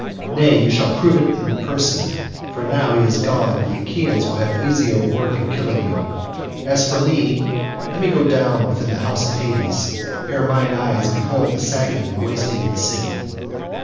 Nay, you shall prove it in person, for now he is gone the Achaeans will have easier work in killing you. As for me, let me go down within the house of Hades, ere mine eyes behold the sacking and wasting of the city."